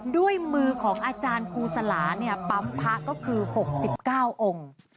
ด้วยมือของอาจารย์ครูสลาปั๊มพระก็คือ๖๙องค์